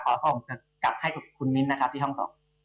ขอขอบคุณกลับให้คุณมิ้นท์นะครับที่ห้องสอง